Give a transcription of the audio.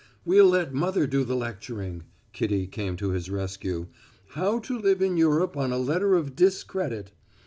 "We'll let mother do the lecturing," Kitty came to his rescue. "'How to Live in Europe on a Letter of Discredit.'